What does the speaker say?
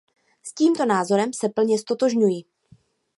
S tímto názorem se plně ztotožňuji.